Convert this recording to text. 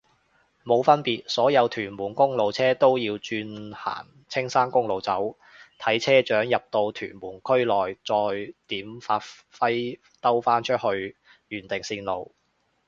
冇分別，所有屯門公路車都要轉行青山公路走，睇車長入到屯門區內再點發揮兜返去原定路線